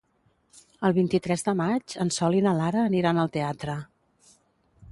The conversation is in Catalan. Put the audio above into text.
El vint-i-tres de maig en Sol i na Lara aniran al teatre.